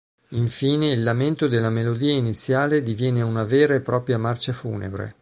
Infine, il lamento della melodia iniziale diviene una vera e propria marcia funebre.